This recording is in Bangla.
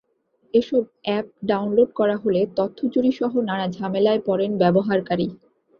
এসব অ্যাপ ডাউনলোড করা হলে তথ্য চুরিসহ নানা ঝামেলায় পড়েন ব্যবহারকারী।